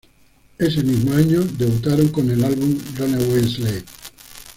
Ese mismo año debutaron con el álbum "Runaway Slave".